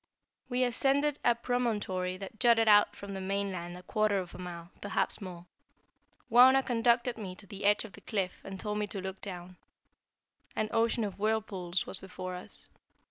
We ascended a promontory that jutted out from the main land a quarter of a mile, perhaps more. Wauna conducted me to the edge of the cliff and told me to look down. An ocean of whirlpools was before us.